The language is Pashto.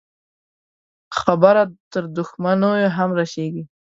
خبره تر دښمنيو هم رسېږي.